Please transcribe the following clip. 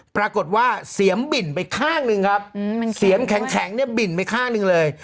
ปรากฏว่าเสียงบิ่นไปข้างหนึ่งครับเสียงแข็งเนี่ยบิ่นไปข้างหนึ่งเลย